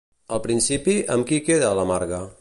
Al principi, amb qui queda la Marga?